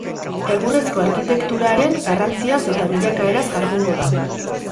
Egurrezko arkitekturaren garrantziaz eta bilakaeraz jardungo da.